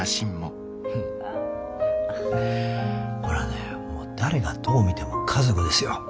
これはね誰がどう見ても家族ですよ。